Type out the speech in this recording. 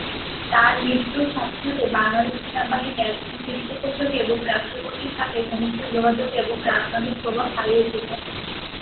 তার মৃত্যুর সাথে সাথে বাংলাদেশি সেনাবাহিনী একজন পৃষ্ঠপোষক এবং রাষ্ট্রপতির সাথে ঘনিষ্ঠ যোগাযোগ এবং রাজনৈতিক প্রভাব হারিয়েছিল।